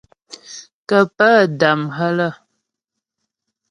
Kə́ pə́ dam há lə́.